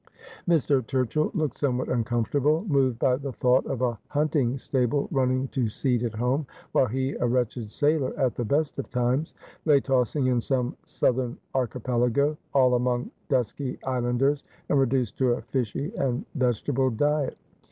Mr. Turchill looked somewhat uncomfortable, moved by the thought of a hunting stable running to seed at home, while he, a wretched sailor at the best of times, lay tossing in some south ern archipelago, all among dusky islanders, and reduced to a fishy and vegetable diet.